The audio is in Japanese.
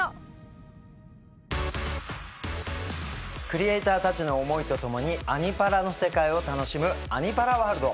クリエーターたちの思いとともに「アニ×パラ」の世界を楽しむ「アニ×パラワールド」。